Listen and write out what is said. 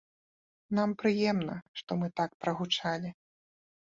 Нам прыемна, што мы так прагучалі.